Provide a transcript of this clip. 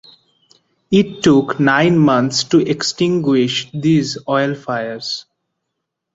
It took nine months to extinguish these oil fires.